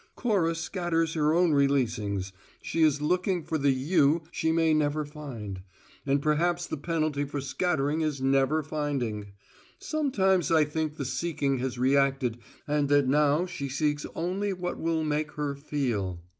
Cora scatters her own releasings: she is looking for the You she may never find; and perhaps the penalty for scattering is never finding. Sometimes I think the seeking has reacted and that now she seeks only what will make her feel.